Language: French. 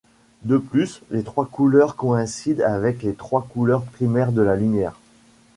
De plus, les trois couleurs coïncident avec les trois couleurs primaires de la lumière.